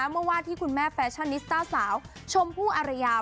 เมื่อวาดที่คุณแม่แฟชั่นนิสต้าสาวชมพู่อารยา